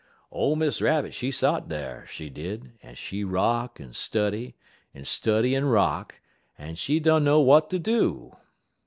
"Ole Miss Rabbit, she sot dar, she did, en she rock en study, en study en rock, en she dunner w'at ter do.